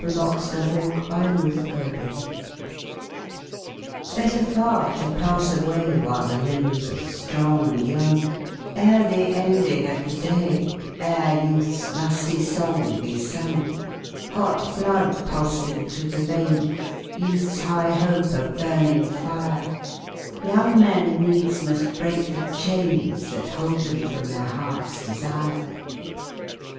XV Better Far to Pass Away BETTER far to pass away While the limbs are strong and young, Ere the ending of the day, Ere youth's lusty song be sung. Hot blood pulsing through the veins, Youth's high hope a burning fire, Young men needs must break the chains That hold them from their hearts' desire.